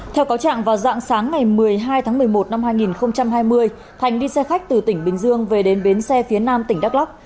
theo cáo trạng vào dạng sáng ngày một mươi hai tháng một mươi một năm hai nghìn hai mươi thành đi xe khách từ tỉnh bình dương về đến bến xe phía nam tỉnh đắk lắc